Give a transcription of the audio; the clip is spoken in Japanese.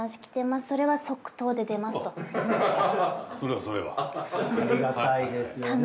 ありがたいですね。